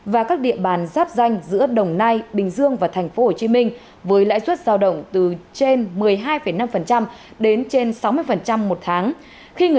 và các địa bàn giáp danh giữa đồng nai bình dương và thành phố hồ chí minh với lãi suất giao động từ trên một mươi hai năm đến trên sáu mươi một tháng